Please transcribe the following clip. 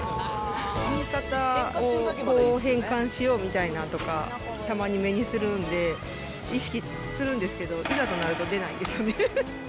言い方を変換しようみたいなんとか、たまに目にするんで、意識するんですけど、いざとなると出ないですよね。